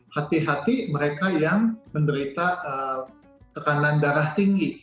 hati hati mereka yang menderita tekanan darah tinggi